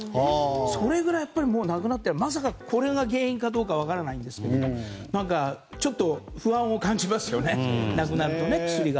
それぐらいなくなってまさか、これが原因かは分からないんですけどもちょっと不安を感じますよねなくなるとね、薬が。